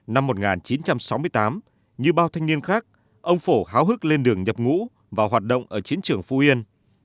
năm một nghìn chín trăm sáu mươi tám như bao thanh niên khác ông phổ háo hức lên đường nhập ngũ và hoạt động ở chiến trường phú yên